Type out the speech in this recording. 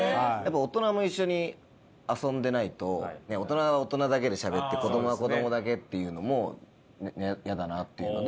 大人も一緒に遊んでないと大人は大人だけでしゃべって子どもは子どもだけっていうのもやだなっていうので。